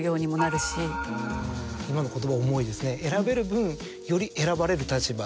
今の言葉重いですね選べる分より選ばれる立場。